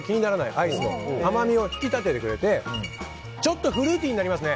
アイスの甘みを引き立ててくれてちょっとフルーティーになりますね。